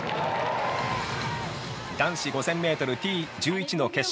男子５０００ｍ、Ｔ１１の決勝。